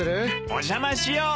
お邪魔しよう。